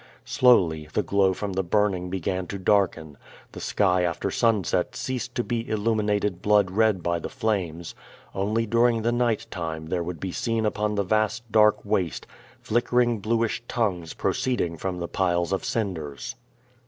Slowly the glow from the burning began to darken. The sky after sun set ceased to be illuminated blood red by the flames. Only during the night time there would be seen upon the vast dark waste flickering bluish tongues proceeding from the piles of cinders.